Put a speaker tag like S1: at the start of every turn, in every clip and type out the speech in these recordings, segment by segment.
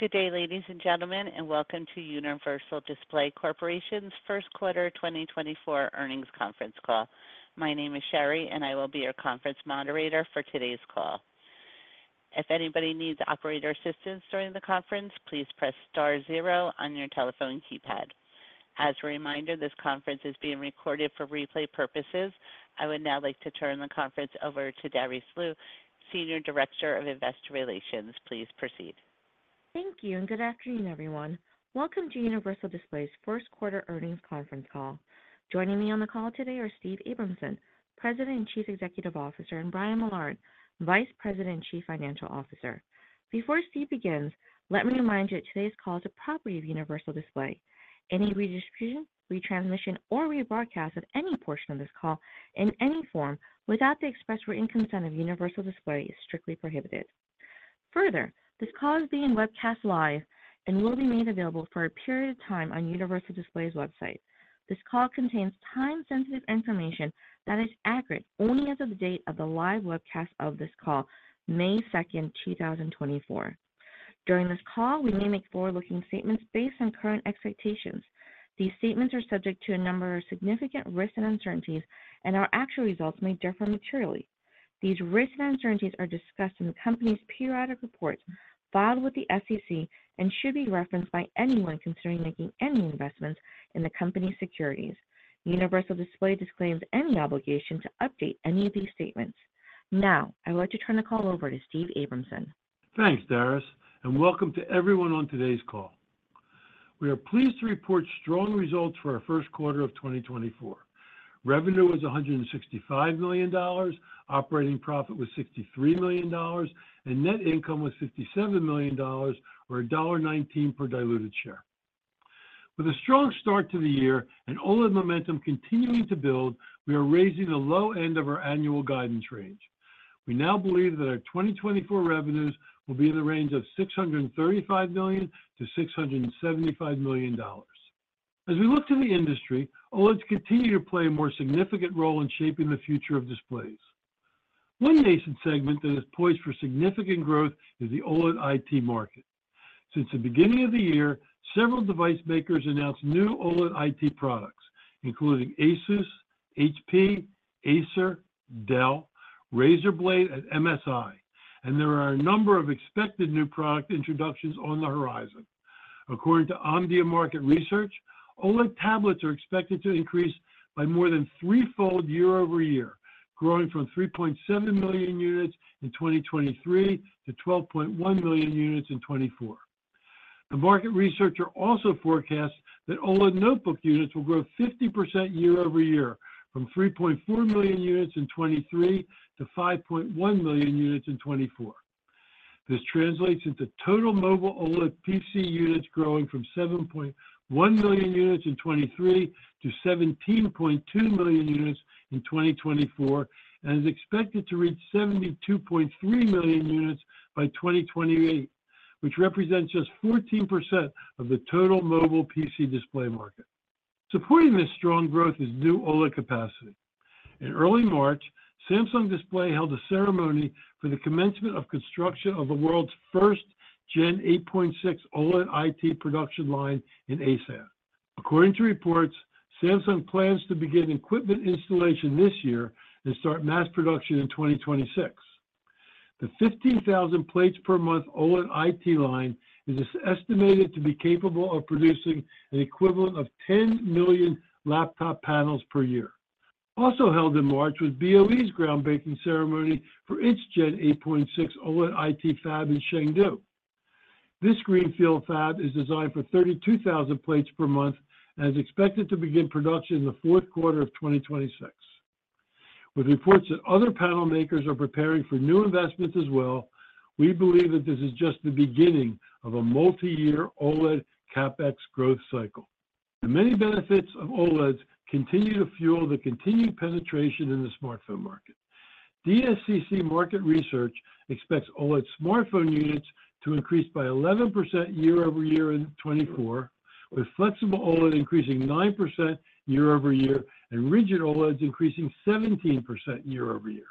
S1: Good day, ladies and gentlemen, and welcome to Universal Display Corporation's first quarter 2024 earnings conference call. My name is Sherry, and I will be your conference moderator for today's call. If anybody needs operator assistance during the conference, please press star zero on your telephone keypad. As a reminder, this conference is being recorded for replay purposes. I would now like to turn the conference over to Darice Liu, Senior Director of Investor Relations. Please proceed.
S2: Thank you, and good afternoon, everyone. Welcome to Universal Display's first quarter earnings conference call. Joining me on the call today are Steve Abramson, President and Chief Executive Officer, and Brian Millard, Vice President and Chief Financial Officer. Before Steve begins, let me remind you that today's call is a property of Universal Display. Any redistribution, retransmission, or rebroadcast of any portion of this call in any form without the express written consent of Universal Display is strictly prohibited. Further, this call is being webcast live and will be made available for a period of time on Universal Display's website. This call contains time-sensitive information that is accurate only as of the date of the live webcast of this call, May second, two thousand and twenty-four. During this call, we may make forward-looking statements based on current expectations. These statements are subject to a number of significant risks and uncertainties, and our actual results may differ materially. These risks and uncertainties are discussed in the company's periodic reports filed with the SEC and should be referenced by anyone considering making any investments in the company's securities. Universal Display disclaims any obligation to update any of these statements. Now, I'd like to turn the call over to Steve Abramson.
S3: Thanks, Darice, and welcome to everyone on today's call. We are pleased to report strong results for our first quarter of 2024. Revenue was $165 million, operating profit was $63 million, and net income was $57 million, or $1.19 per diluted share. With a strong start to the year and all the momentum continuing to build, we are raising the low end of our annual guidance range. We now believe that our 2024 revenues will be in the range of $635 million-$675 million. As we look to the industry, OLEDs continue to play a more significant role in shaping the future of displays. One nascent segment that is poised for significant growth is the OLED IT market. Since the beginning of the year, several device makers announced new OLED IT products, including ASUS, HP, Acer, Dell, Razer Blade, and MSI, and there are a number of expected new product introductions on the horizon. According to Omdia Market Research, OLED tablets are expected to increase by more than threefold year-over-year, growing from 3.7 million units in 2023 to 12.1 million units in 2024. The market researcher also forecasts that OLED notebook units will grow 50% year-over-year, from 3.4 million units in 2023 to 5.1 million units in 2024. This translates into total mobile OLED PC units growing from 7.1 million units in 2023 to 17.2 million units in 2024, and is expected to reach 72.3 million units by 2028, which represents just 14% of the total mobile PC display market. Supporting this strong growth is new OLED capacity. In early March, Samsung Display held a ceremony for the commencement of construction of the world's first Gen 8.6 OLED IT production line in Asan. According to reports, Samsung plans to begin equipment installation this year and start mass production in 2026. The 15,000 plates per month OLED IT line is estimated to be capable of producing an equivalent of 10 million laptop panels per year. Also held in March, was BOE's groundbreaking ceremony for its Gen 8.6 OLED IT fab in Chengdu. This greenfield fab is designed for 32,000 plates per month and is expected to begin production in the fourth quarter of 2026. With reports that other panel makers are preparing for new investments as well, we believe that this is just the beginning of a multi-year OLED CapEx growth cycle. The many benefits of OLEDs continue to fuel the continued penetration in the smartphone market. DSCC Market Research expects OLED smartphone units to increase by 11% year-over-year in 2024, with flexible OLED increasing 9% year-over-year and rigid OLEDs increasing 17% year-over-year.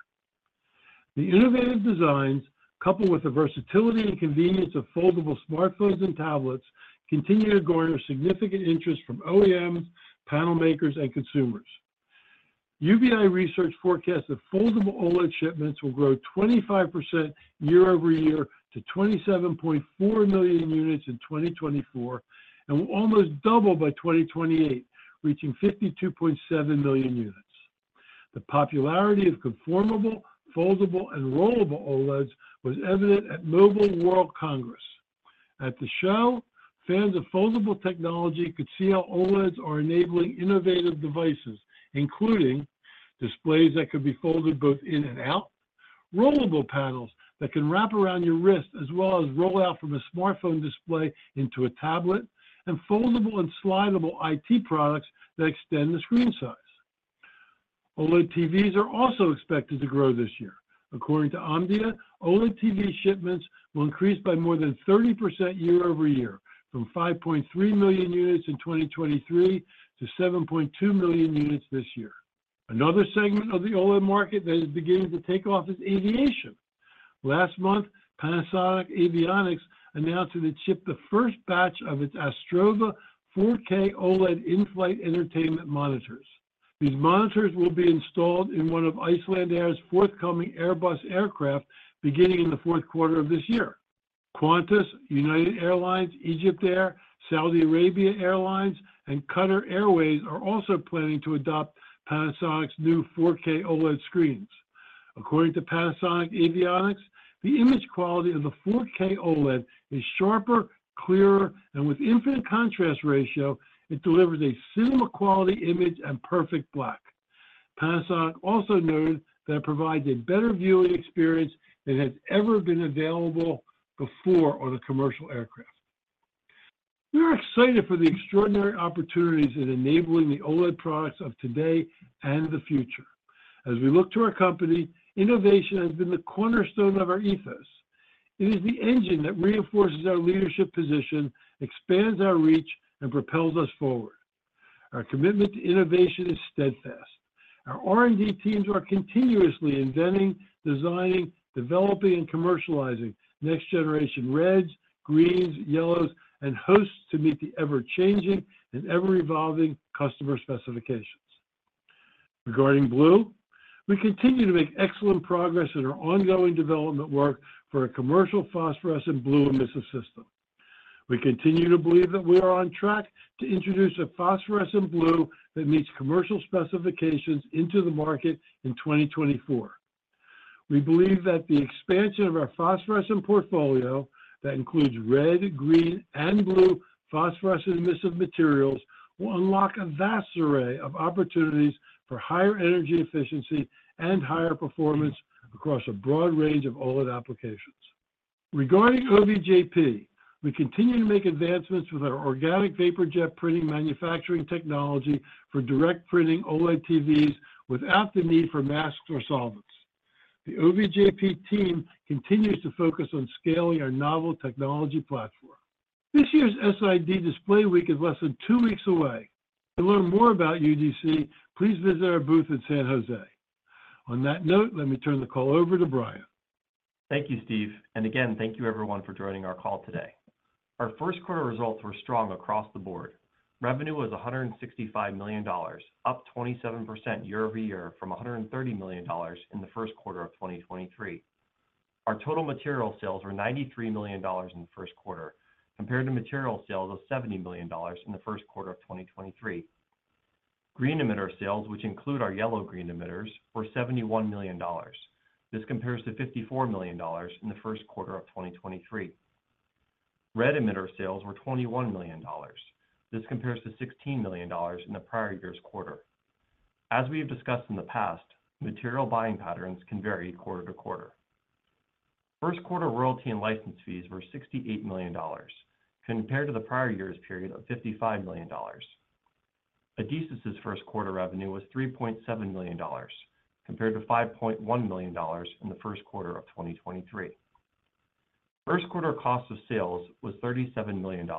S3: The innovative designs, coupled with the versatility and convenience of foldable smartphones and tablets, continue to garner significant interest from OEMs, panel makers, and consumers. UBI Research forecasts that foldable OLED shipments will grow 25% year-over-year to 27.4 million units in 2024, and will almost double by 2028, reaching 52.7 million units. The popularity of conformable, foldable, and rollable OLEDs was evident at Mobile World Congress. At the show, fans of foldable technology could see how OLEDs are enabling innovative devices, including displays that could be folded both in and out, rollable panels that can wrap around your wrist, as well as roll out from a smartphone display into a tablet, and foldable and slidable IT products that extend the screen size. OLED TVs are also expected to grow this year. According to Omdia, OLED TV shipments will increase by more than 30% year-over-year, from 5.3 million units in 2023 to 7.2 million units this year. Another segment of the OLED market that is beginning to take off is aviation. Last month, Panasonic Avionics announced that it shipped the first batch of its Astrova 4K OLED in-flight entertainment monitors. These monitors will be installed in one of Icelandair's forthcoming Airbus aircraft, beginning in the fourth quarter of this year. Qantas, United Airlines, EgyptAir, Saudia, and Qatar Airways are also planning to adopt Panasonic's new 4K OLED screens. According to Panasonic Avionics, the image quality of the 4K OLED is sharper, clearer, and with infinite contrast ratio. It delivers a cinema-quality image and perfect black. Panasonic also noted that it provides a better viewing experience than has ever been available before on a commercial aircraft. We are excited for the extraordinary opportunities in enabling the OLED products of today and the future. As we look to our company, innovation has been the cornerstone of our ethos. It is the engine that reinforces our leadership position, expands our reach, and propels us forward. Our commitment to innovation is steadfast. Our R&D teams are continuously inventing, designing, developing, and commercializing next-generation reds, greens, yellows, and hosts to meet the ever-changing and ever-evolving customer specifications. Regarding blue, we continue to make excellent progress in our ongoing development work for a commercial phosphorescent blue emissive system. We continue to believe that we are on track to introduce a phosphorescent blue that meets commercial specifications into the market in 2024. We believe that the expansion of our phosphorescent portfolio, that includes red, green, and blue phosphorescent emissive materials, will unlock a vast array of opportunities for higher energy efficiency and higher performance across a broad range of OLED applications. Regarding OVJP, we continue to make advancements with our organic vapor jet printing manufacturing technology for direct printing OLED TVs without the need for masks or solvents. The OVJP team continues to focus on scaling our novel technology platform. This year's SID Display Week is less than two weeks away. To learn more about UDC, please visit our booth in San Jose. On that note, let me turn the call over to Brian.
S4: Thank you, Steve, and again, thank you everyone for joining our call today. Our first quarter results were strong across the board. Revenue was $165 million, up 27% year-over-year from $130 million in the first quarter of 2023. Our total material sales were $93 million in the first quarter, compared to material sales of $70 million in the first quarter of 2023. Green emitter sales, which include our yellow-green emitters, were $71 million. This compares to $54 million in the first quarter of 2023. Red emitter sales were $21 million. This compares to $16 million in the prior year's quarter. As we have discussed in the past, material buying patterns can vary quarter-to-quarter. First quarter royalty and license fees were $68 million, compared to the prior year's period of $55 million. Adesis' first quarter revenue was $3.7 million, compared to $5.1 million in the first quarter of 2023. First quarter cost of sales was $37 million,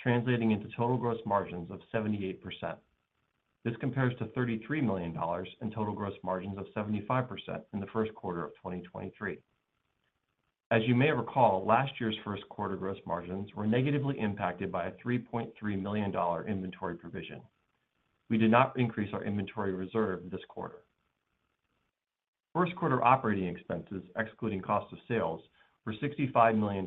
S4: translating into total gross margins of 78%. This compares to $33 million in total gross margins of 75% in the first quarter of 2023. As you may recall, last year's first quarter gross margins were negatively impacted by a $3.3 million inventory provision. We did not increase our inventory reserve this quarter. First quarter operating expenses, excluding cost of sales, were $65 million.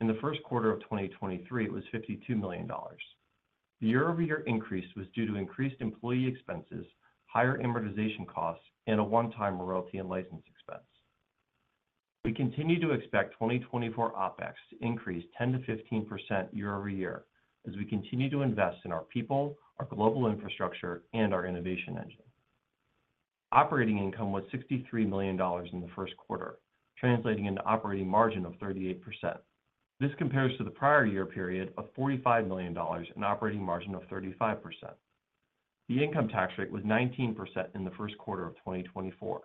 S4: In the first quarter of 2023, it was $52 million. The year-over-year increase was due to increased employee expenses, higher amortization costs, and a one-time royalty and license expense. We continue to expect 2024 OpEx to increase 10%-15% year-over-year as we continue to invest in our people, our global infrastructure, and our innovation engine. Operating income was $63 million in the first quarter, translating into operating margin of 38%. This compares to the prior year period of $45 million and operating margin of 35%. The income tax rate was 19% in the first quarter of 2024.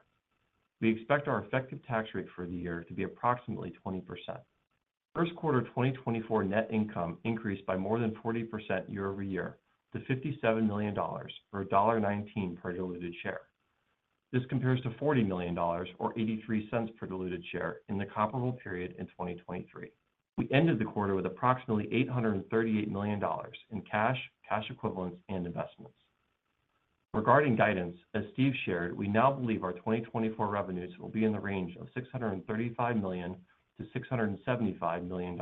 S4: We expect our effective tax rate for the year to be approximately 20%. First quarter 2024 net income increased by more than 40% year-over-year to $57 million, or $1.19 per diluted share. This compares to $40 million or $0.83 per diluted share in the comparable period in 2023. We ended the quarter with approximately $838 million in cash, cash equivalents, and investments. Regarding guidance, as Steve shared, we now believe our 2024 revenues will be in the range of $635 million-$675 million.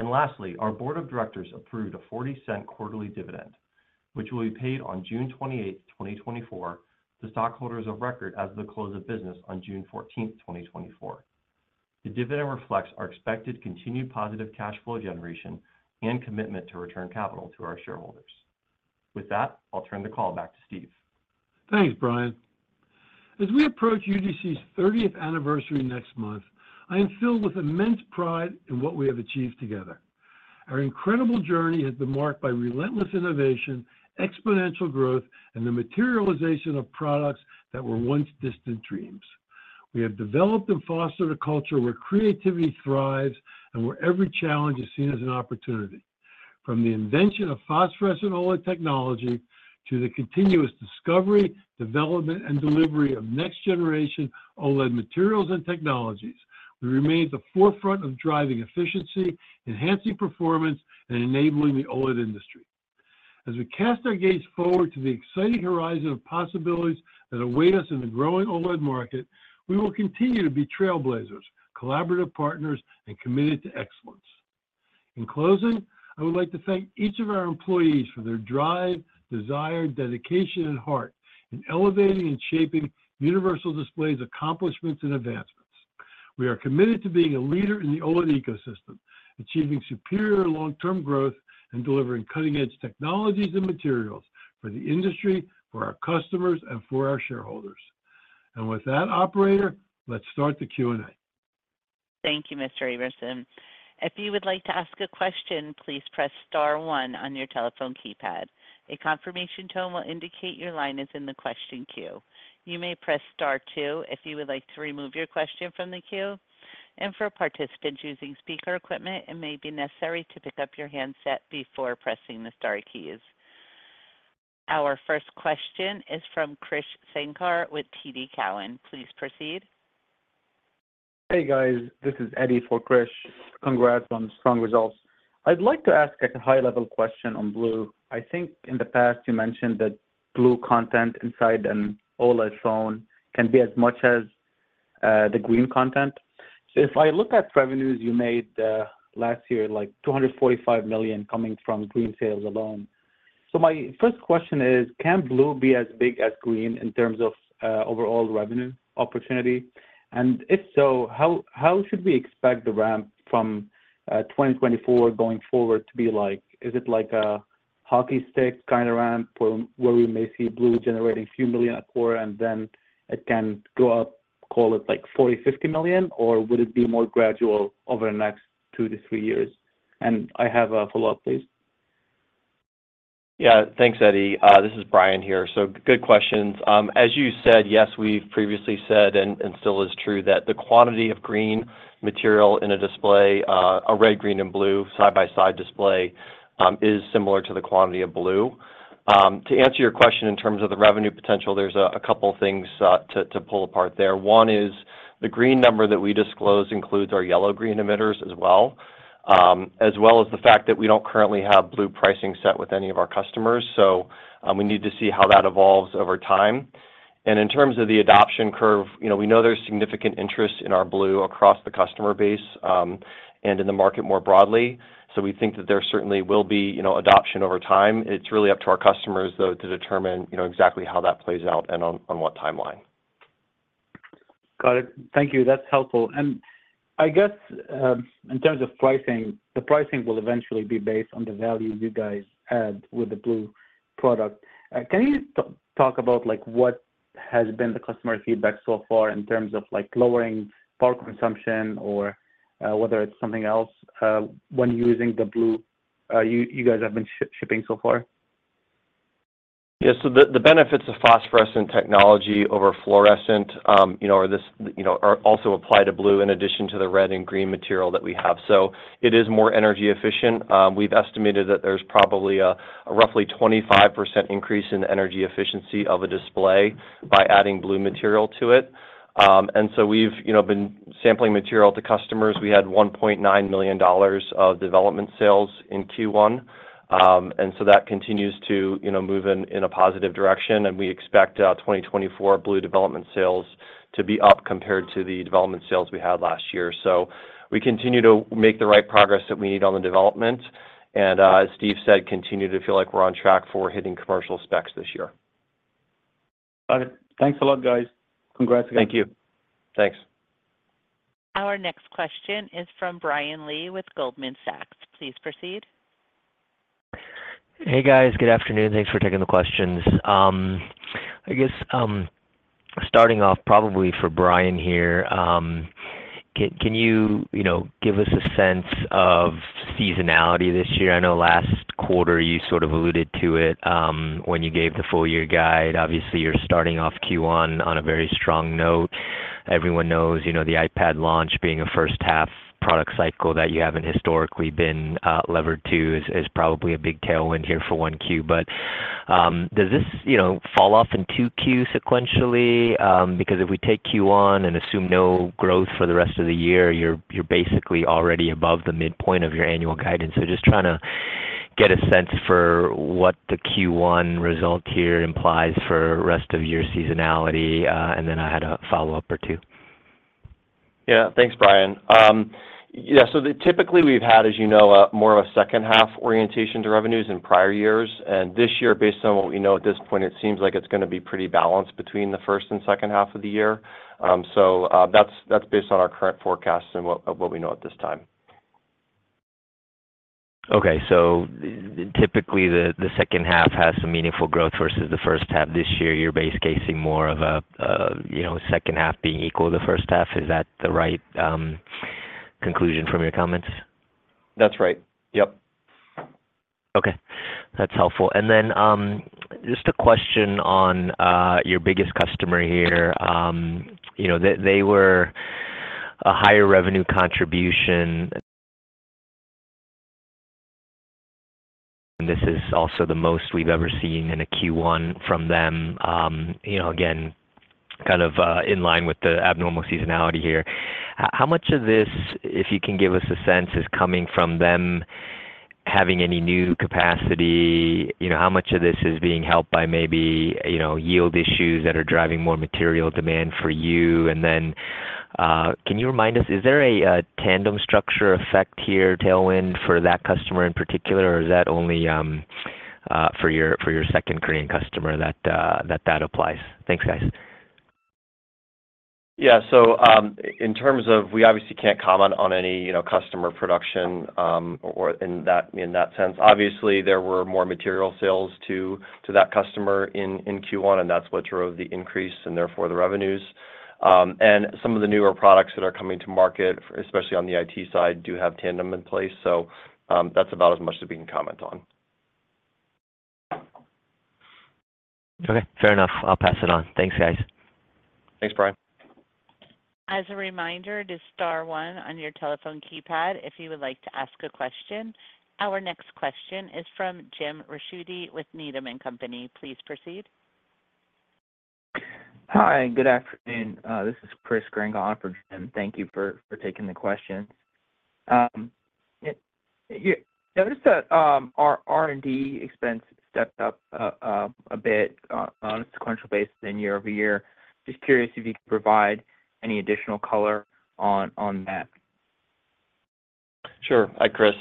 S4: Lastly, our board of directors approved a 40-cent quarterly dividend, which will be paid on June 28th, 2024, to stockholders of record as of the close of business on June 14th, 2024. The dividend reflects our expected continued positive cash flow generation and commitment to return capital to our shareholders. With that, I'll turn the call back to Steve.
S3: Thanks, Brian. As we approach UDC's 30th anniversary next month, I am filled with immense pride in what we have achieved together. Our incredible journey has been marked by relentless innovation, exponential growth, and the materialization of products that were once distant dreams. We have developed and fostered a culture where creativity thrives and where every challenge is seen as an opportunity. From the invention of phosphorescent OLED technology to the continuous discovery, development, and delivery of next-generation OLED materials and technologies, we remain at the forefront of driving efficiency, enhancing performance, and enabling the OLED industry. As we cast our gaze forward to the exciting horizon of possibilities that await us in the growing OLED market, we will continue to be trailblazers, collaborative partners, and committed to excellence. In closing, I would like to thank each of our employees for their drive, desire, dedication, and heart in elevating and shaping Universal Display's accomplishments and advancements. We are committed to being a leader in the OLED ecosystem, achieving superior long-term growth, and delivering cutting-edge technologies and materials for the industry, for our customers, and for our shareholders. With that, operator, let's start the Q&A.
S1: Thank you, Mr. Abramson. If you would like to ask a question, please press star one on your telephone keypad. A confirmation tone will indicate your line is in the question queue. You may press star two if you would like to remove your question from the queue, and for participants using speaker equipment, it may be necessary to pick up your handset before pressing the star keys. Our first question is from Krish Sankar with TD Cowen. Please proceed.
S5: Hey, guys. This is Eddie for Krish. Congrats on the strong results. I'd like to ask a high-level question on blue. I think in the past, you mentioned that blue content inside an OLED phone can be as much as the green content. So if I look at revenues you made last year, like $245 million coming from green sales alone. So my first question is: Can blue be as big as green in terms of overall revenue opportunity? And if so, how should we expect the ramp from 2024 going forward to be like? Is it like a hockey stick kind of ramp where we may see blue generating $a few million a quarter, and then it can go up, call it, like $40-$50 million, or would it be more gradual over the next two to three years? I have a follow-up, please.
S4: Yeah. Thanks, Eddie. This is Brian here. So good questions. As you said, yes, we've previously said, and still is true, that the quantity of green material in a display, a red, green, and blue side-by-side display, is similar to the quantity of blue. To answer your question in terms of the revenue potential, there's a couple things to pull apart there. One is the green number that we disclose includes our yellow-green emitters as well, as well as the fact that we don't currently have blue pricing set with any of our customers, so we need to see how that evolves over time. In terms of the adoption curve, you know, we know there's significant interest in our blue across the customer base, and in the market more broadly, so we think that there certainly will be, you know, adoption over time. It's really up to our customers, though, to determine, you know, exactly how that plays out and on what timeline.
S5: Got it. Thank you. That's helpful. I guess, in terms of pricing, the pricing will eventually be based on the value you guys add with the blue product. Can you talk about, like, what has been the customer feedback so far in terms of, like, lowering power consumption or whether it's something else, when using the blue, you guys have been shipping so far?
S4: Yeah. So the benefits of phosphorescent technology over fluorescent, you know, or this, you know, are also applied to blue in addition to the red and green material that we have. So it is more energy efficient. We've estimated that there's probably a roughly 25% increase in energy efficiency of a display by adding blue material to it. And so we've, you know, been sampling material to customers. We had $1.9 million of development sales in Q1. And so that continues to, you know, move in a positive direction, and we expect 2024 blue development sales to be up compared to the development sales we had last year. So we continue to make the right progress that we need on the development, and as Steve said, continue to feel like we're on track for hitting commercial specs this year.
S5: Got it. Thanks a lot, guys. Congrats again.
S4: Thank you. Thanks.
S1: Our next question is from Brian Lee with Goldman Sachs. Please proceed.
S6: Hey, guys. Good afternoon. Thanks for taking the questions. I guess, starting off probably for Brian here, can, can you, you know, give us a sense of seasonality this year? I know last quarter you sort of alluded to it, when you gave the full year guide. Obviously, you're starting off Q1 on a very strong note. Everyone knows, you know, the iPad launch being a first-half product cycle that you haven't historically been, levered to is, is probably a big tailwind here for one Q. But, does this, you know, fall off in Q2 sequentially? Because if we take Q1 and assume no growth for the rest of the year, you're, you're basically already above the midpoint of your annual guidance. Just trying to get a sense for what the Q1 result here implies for rest of year seasonality, and then I had a follow-up or two.
S4: Yeah. Thanks, Brian. Yeah, so typically we've had, as you know, more of a second-half orientation to revenues in prior years, and this year, based on what we know at this point, it seems like it's gonna be pretty balanced between the first and second half of the year. That's based on our current forecasts and what we know at this time.
S6: Okay. So typically, the second half has some meaningful growth versus the first half. This year, your base case is more of a, you know, second half being equal to the first half. Is that the right conclusion from your comments?
S4: That's right. Yep....
S6: Okay, that's helpful. And then, just a question on your biggest customer here. You know, they were a higher revenue contribution, and this is also the most we've ever seen in a Q1 from them. You know, again, kind of in line with the abnormal seasonality here. How much of this, if you can give us a sense, is coming from them having any new capacity? You know, how much of this is being helped by maybe yield issues that are driving more material demand for you? And then, can you remind us, is there a tandem structure effect here, tailwind for that customer in particular, or is that only for your second Korean customer that applies? Thanks, guys.
S4: Yeah. So, in terms of we obviously can't comment on any, you know, customer production, or in that sense. Obviously, there were more material sales to that customer in Q1, and that's what drove the increase and therefore the revenues. And some of the newer products that are coming to market, especially on the IT side, do have tandem in place. So, that's about as much as we can comment on.
S6: Okay, fair enough. I'll pass it on. Thanks, guys.
S4: Thanks, Brian.
S1: As a reminder, to star one on your telephone keypad if you would like to ask a question. Our next question is from Jim Ricchiuti with Needham & Company. Please proceed.
S7: Hi, good afternoon. This is Chris Grenga from Jim. Thank you for taking the question. You noticed that our R&D expense stepped up a bit on a sequential basis and year-over-year. Just curious if you could provide any additional color on that.
S4: Sure. Hi, Chris.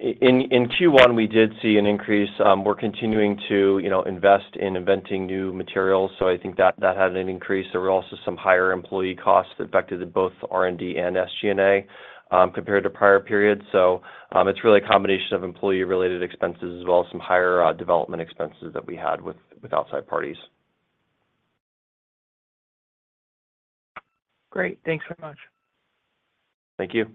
S4: In Q1, we did see an increase. We're continuing to, you know, invest in inventing new materials, so I think that that had an increase. There were also some higher employee costs affected in both R&D and SG&A, compared to prior periods. So, it's really a combination of employee-related expenses as well as some higher development expenses that we had with outside parties.
S7: Great. Thanks so much.
S4: Thank you.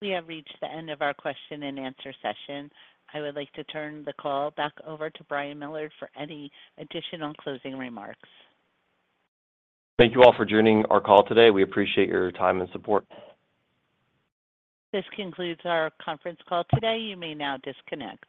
S1: We have reached the end of our question-and-answer session. I would like to turn the call back over to Brian Millard for any additional closing remarks.
S4: Thank you all for joining our call today. We appreciate your time and support.
S1: This concludes our conference call today. You may now disconnect.